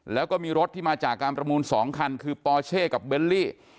แล้วก็มีรถที่มาจากการประมูล๒คันคือปอเช่กับเบลลี่